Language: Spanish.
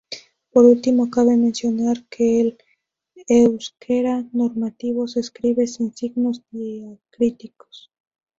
Por último, cabe mencionar que el euskera normativo se escribe sin signos diacríticos.